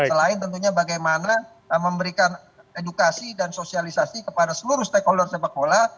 selain tentunya bagaimana memberikan edukasi dan sosialisasi kepada seluruh stakeholder sepak bola